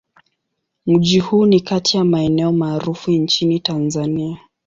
Mji huu ni kati ya maeneo maarufu nchini Tanzania.